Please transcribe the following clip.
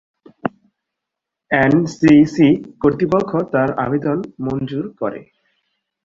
MCC কর্তৃপক্ষ তার আবেদন মঞ্জুর করে।